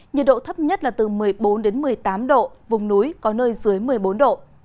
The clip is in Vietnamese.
nhiệt độ thấp nhất là từ một mươi bốn đến một mươi tám độ vùng núi có nơi dưới một mươi bốn độ